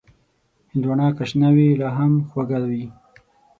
هندوانه که شنه وي، لا هم خوږه وي.